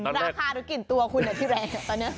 ราคารุกินตัวคุณแบบที่แรง